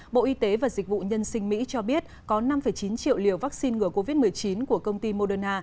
bộ y tế và dịch vụ nhân sinh mỹ cho biết có năm chín triệu liều vaccine ngừa covid một mươi chín của công ty moderna